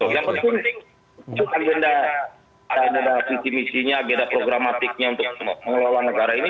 yang penting itu agenda agenda visi misinya agenda programatiknya untuk mengelola negara ini